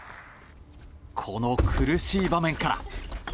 この苦しい場面から。